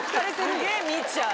すげぇ見ちゃう。